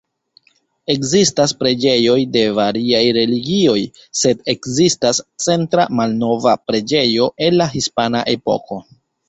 Ekzistas preĝejoj de variaj religioj, sed ekzistas centra malnova preĝejo el la Hispana Epoko.